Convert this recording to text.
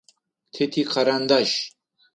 Тэ тикарандаш.